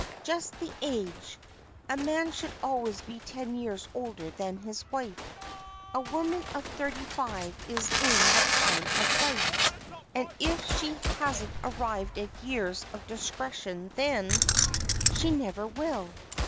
"Just the age; a man should always be ten years older than his wife. A woman of thirty five is in the prime of life, and if she hasn't arrived at years of discretion then, she never will.